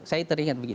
saya teringat begini